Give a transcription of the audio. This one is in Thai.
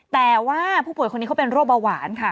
แต่ว่าผู้ป่วยคนนี้เขาเป็นโรคเบาหวานค่ะ